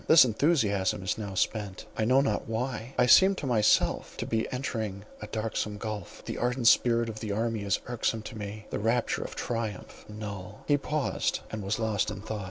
This enthusiasm is now spent, I know not why; I seem to myself to be entering a darksome gulph; the ardent spirit of the army is irksome to me, the rapture of triumph null." He paused, and was lost in thought.